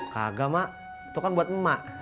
kagak mak itu kan buat emak